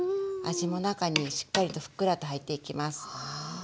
味も中にしっかりとふっくらと入っていきます。